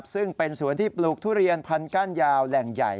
ซึ่งเป็นสวนที่ปลูกทุเรียนพันกั้นยาวแหล่งใหญ่